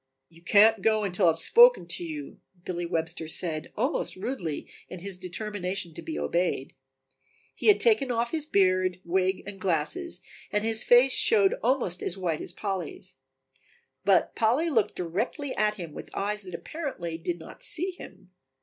"You can't go until I have spoken to you," Billy Webster said almost rudely in his determination to be obeyed. He had taken off his beard, wig and glasses and his face showed almost as white as Polly's. But Polly looked directly at him with eyes that apparently did not see him.